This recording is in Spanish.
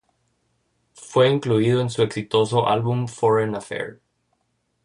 Fue incluido en su exitoso álbum Foreign Affair.